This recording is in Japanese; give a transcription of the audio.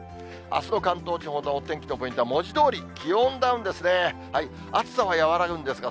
あすの関東地方のお天気のポイントは、文字どおり気温ダウンですね。